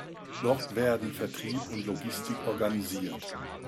Dort werden Vertrieb und Logistik organisiert.